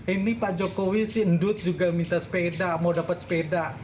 ini pak jokowi sih endut juga minta sepeda mau dapat sepeda